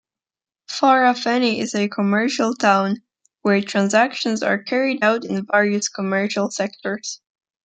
Farafenni is a commercial town, were transactions are carried out in various commercial sectors.